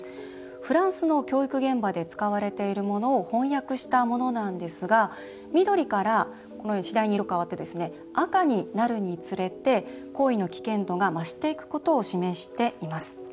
フランスの教育現場で使われているものを翻訳したものなんですが緑から、次第に色変わって赤になるにつれて行為の危険度が増していくことを示しています。